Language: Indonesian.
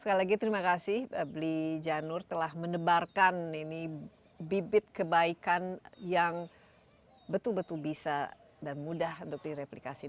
sekali lagi terima kasih bli janur telah mendebarkan ini bibit kebaikan yang betul betul bisa dan mudah untuk direplikasi